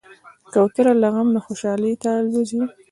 کوتره له غم نه خوشحالي ته الوزي.